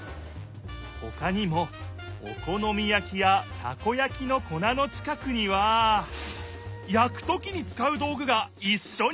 ほかにもおこのみやきやたこやきのこなの近くにはやくときに使う道ぐがいっしょにおいてあった！